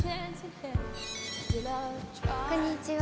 こんにちは。